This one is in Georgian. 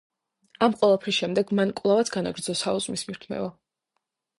ამ ყველაფრის შემდეგ მან კვლავაც განაგრძო საუზმის მირთმევა.